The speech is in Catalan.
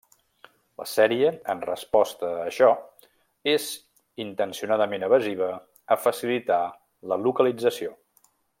La sèrie, en resposta a això, és intencionadament evasiva a facilitar la localització.